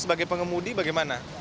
sebagai pengemudi bagaimana